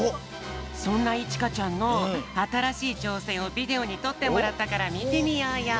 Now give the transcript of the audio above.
そんないちかちゃんのあたらしいちょうせんをビデオにとってもらったからみてみようよ。